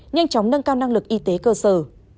nhanh chóng nâng cao năng lực y tế cơ sở